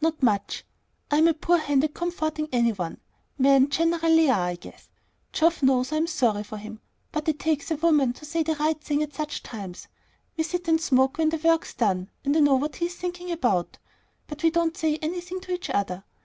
"Not much. I'm a poor hand at comforting any one, men generally are, I guess. Geoff knows I'm sorry for him; but it takes a woman to say the right thing at such times. We sit and smoke when the work's done, and I know what he's thinking about; but we don't say anything to each other.